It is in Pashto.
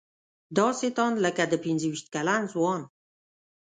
داسې تاند لکه د پنځه ویشت کلن ځوان.